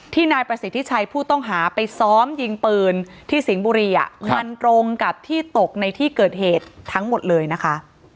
นายประสิทธิชัยผู้ต้องหาไปซ้อมยิงปืนที่สิงห์บุรีมันตรงกับที่ตกในที่เกิดเหตุทั้งหมดเลยนะคะ